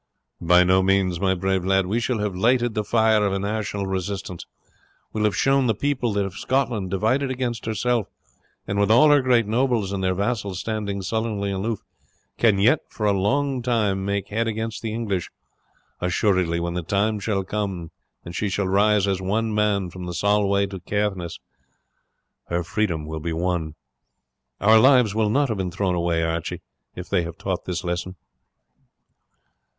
"By no means, my brave lad; we shall have lighted the fire of a national resistance; we shall have shown the people that if Scotland, divided against herself, and with all her great nobles and their vassals standing sullenly aloof, can yet for a long time make head against the English, assuredly when the time shall come, and she shall rise as one man from the Solway to Caithness, her freedom will be won. Our lives will not have been thrown away, Archie, if they have taught this lesson."